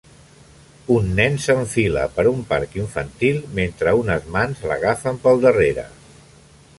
Un nen s'enfila per un parc infantil mentre unes mans l'agafen pel darrere.